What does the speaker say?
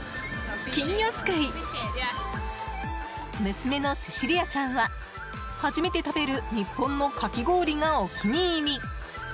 娘のセシリアちゃんは初めて食べる日本のかき氷がお気に入り！